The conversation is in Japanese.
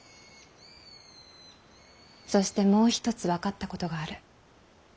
そしてもう一つ分かったことがある。